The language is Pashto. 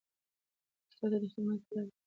پښتو ته د خدمت په لاره کې هیڅکله مه ناهیلي کېږئ.